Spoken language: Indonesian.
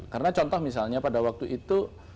karena contoh misalnya pada waktu itu